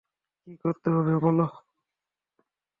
কি করতে হবে বলো?